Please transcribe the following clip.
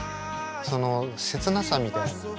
その切なさみたいなものと。